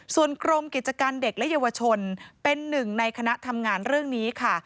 ส่วนกรมกิจการเด็กและเยาวชนเป็นหนึ่งในคณะทำงานเรื่องนี้ค่ะ